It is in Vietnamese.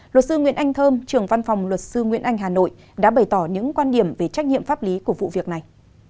luật sư nguyễn anh thơm trưởng văn phòng luật sư nguyễn anh hà nội đã bày tỏ những quan điểm về trách nhiệm pháp lý của vụ việc này